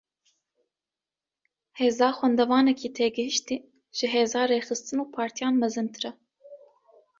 Hêza xwendevanekî têgihiştî, ji hêza rêxistin û partiyan mezintir e